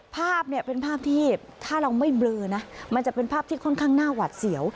ภาพเนี่ยเป็นภาพที่ถ้าเราไม่เบลอนะมันจะเป็นภาพที่ค่อนข้างน่าหวัดเสียว